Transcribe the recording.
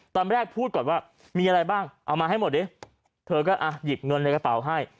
ตอนแรกพูดก่อนว่ามีอะไรบ้างเอามาให้หมดดิเธอก็อ่ะหยิบเงินในกระเป๋าให้